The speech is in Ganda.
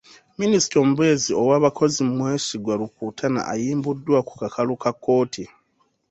Minisita omubeezi ow'abakozi Mwesigwa Rukutana ayimbuddwa ku kakalu ka kkooti.